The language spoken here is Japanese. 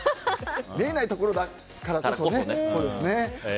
見えないところだからこそそうですね。